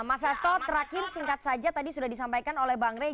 mas hasto terakhir singkat saja tadi sudah disampaikan oleh bang rey